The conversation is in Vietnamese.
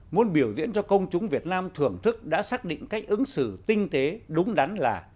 muốn biểu diễn cho công chúng việt nam thưởng thức đã xác định cách ứng xử tinh tế đúng đắn là